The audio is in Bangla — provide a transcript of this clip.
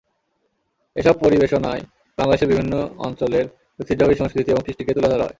এসব পরিবেশনায় বাংলাদেশের বিভিন্ন অঞ্চলের ঐতিহ্যবাহী সংস্কৃতি এবং কৃষ্টিকে তুলে ধরা হয়।